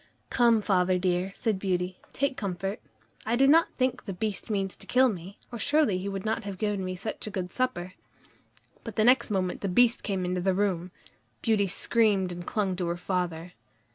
"Come, father dear," said Beauty, "take comfort. I do not think the Beast means to kill me, or surely he would not have given me such a good supper." But the next moment the Beast came into the room. Beauty screamed and clung to her father.